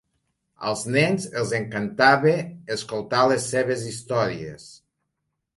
Als nens els encantava escoltar les seves històries.